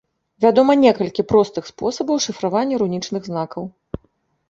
Вядома некалькі простых спосабаў шыфравання рунічных знакаў.